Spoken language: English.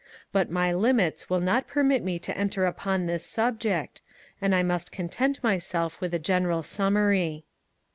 But my limits will not permit me to enter upon this subject, and I must content myself with a general summary.